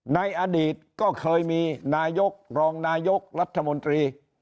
ในอดีตก็เคยมีนายกรองนายกรัฐมนตรี